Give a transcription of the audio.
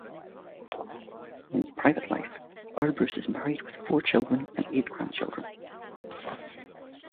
In his private life, Earle Bruce is married with four children and eight grandchildren.